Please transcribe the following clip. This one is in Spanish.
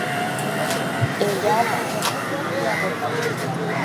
Ella aprendió a coser y a bordar.